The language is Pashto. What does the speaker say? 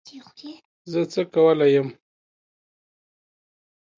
زه څه کولای یم